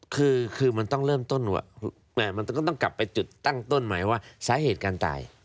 คือมันต้องเริ่มต้นว่ามันก็ต้องกลับไปจุดตั้งต้นใหม่ว่าสาเหตุการตาย